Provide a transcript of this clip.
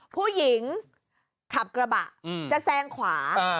ผู้หญิงขับกระบะจะแซงขวา